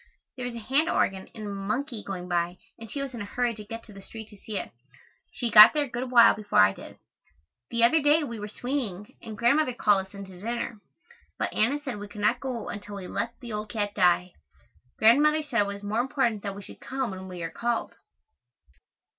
There was a hand organ and monkey going by and she was in a hurry to get to the street to see it. She got there a good while before I did. The other day we were swinging and Grandmother called us in to dinner, but Anna said we could not go until we "let the old cat die." Grandmother said it was more important that we should come when we are called.